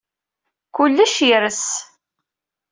Kullec yers.